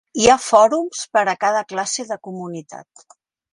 Hi ha fòrums per a cada classe de comunitat.